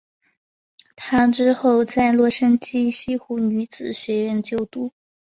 她之后在洛杉矶西湖女子学院就读。